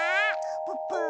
プップー。